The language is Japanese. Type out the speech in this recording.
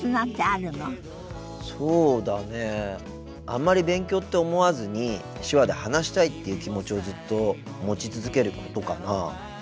あんまり勉強って思わずに手話で話したいっていう気持ちをずっと持ち続けることかな。